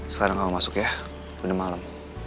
sekarang kalau masuk ya udah malam